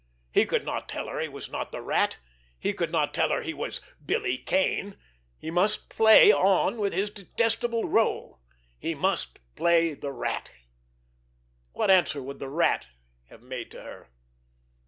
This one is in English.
He could not tell her he was not the Rat. He could not tell her he was—Billy Kane. He must play on with his detestable rôle! He must play the Rat. What answer would the Rat have made to her?